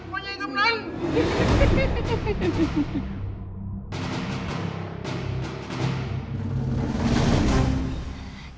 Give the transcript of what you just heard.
มันอย่างนั้น